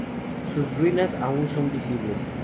Sus ruinas aún son visibles.